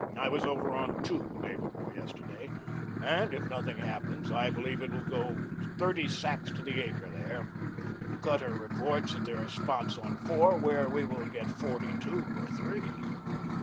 I was over on Two, day before yesterday, and if nothing happens, I believe it will go thirty sacks to the acre there. Cutter reports that there are spots on Four where we will get forty two or three.